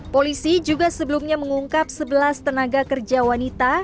polisi juga sebelumnya mengungkap sebelas tenaga kerja wanita